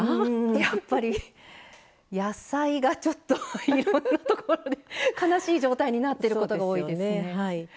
やっぱり野菜が、ちょっといろいろなところで悲しい状態になってることが多いですね。